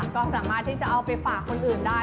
ก็สามารถที่จะเอาไปฝากคนอื่นได้